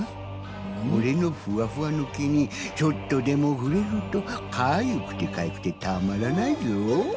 俺のふわふわの毛にちょっとでも触れると、かゆくてかゆくてたまらないぞ！